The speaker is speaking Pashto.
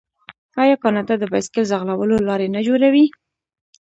آیا کاناډا د بایسکل ځغلولو لارې نه جوړوي؟